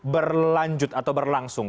berlanjut atau berlangsung